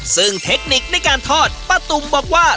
ซึ่งเทคนิคในการทอดป้าตุ๋มบอกว่า